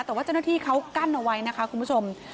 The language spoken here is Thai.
แต่ว่าเจ้าหน้าที่เขากั้นเอาไว้นะคะคุณผู้ชม